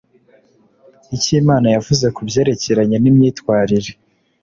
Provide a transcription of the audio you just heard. icyo Imana yavuze ku byerekeranye nimyitwarire